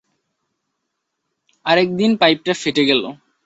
আর একদিন পাইপটা ফেটে গেল।